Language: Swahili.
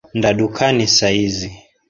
Nda dukani saa hizi